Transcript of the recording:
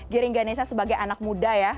giring ganesa sebagai anak muda ya